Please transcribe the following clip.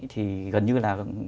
thì gần như là